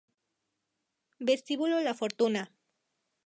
Vestíbulo La Fortuna